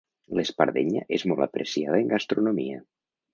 L'espardenya és molt apreciada en gastronomia.